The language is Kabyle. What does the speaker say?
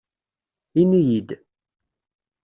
Ini-iyi-d.